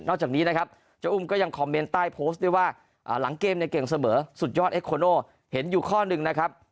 จากนี้นะครับเจ้าอุ้มก็ยังคอมเมนต์ใต้โพสต์ด้วยว่าหลังเกมเนี่ยเก่งเสมอสุดยอดเอ็กโคโนเห็นอยู่ข้อหนึ่งนะครับ